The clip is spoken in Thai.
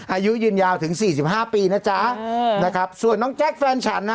อายุยืนยาวถึง๔๕ปีนะจ๊ะส่วนน้องแจ็คแฟนฉันนะ